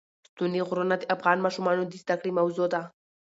ستوني غرونه د افغان ماشومانو د زده کړې موضوع ده.